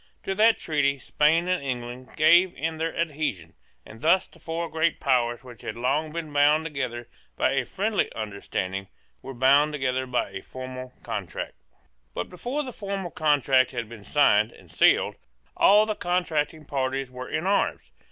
To that treaty Spain and England gave in their adhesion; and thus the four great powers which had long been bound together by a friendly understanding were bound together by a formal contract, But before that formal contract had been signed and sealed, all the contracting parties were in arms.